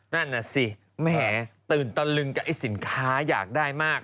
นั่นน่ะสิแหมตื่นตะลึงกับไอ้สินค้าอยากได้มาก